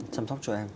chăm sóc cho em